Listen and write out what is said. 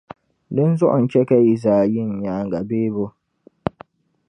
Dinzuɣu n-chɛ ka yi zaa yi n nyaaŋa bebo?